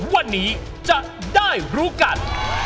วันนี้จะได้รู้กัน